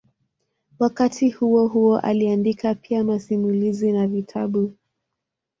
Wakati huohuo aliandika pia masimulizi na vitabu.